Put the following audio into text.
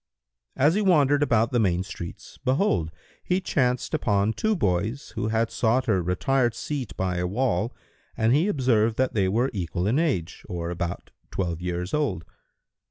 As he wandered about the main streets, behold, he chanced upon two boys who had sought a retired seat by a wall and he observed that they were equal in age, or about twelve years old.